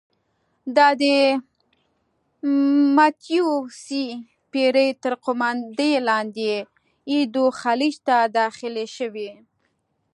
دا د متیو سي پیري تر قوماندې لاندې ایدو خلیج ته داخلې شوې.